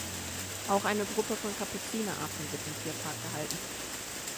Auch eine Gruppe von Kapuzineraffen wird im Tierpark gehalten.